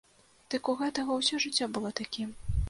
Дык у гэтага ўсё жыццё было такім.